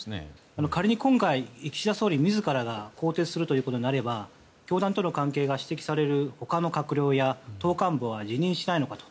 仮に今回、岸田総理自らが更迭するということになれば教団との関係が指摘される他の閣僚や党幹部は辞任しないのかと。